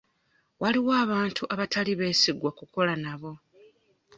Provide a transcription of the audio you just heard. Waliwo abantu abatali beesigwa kukola nabo.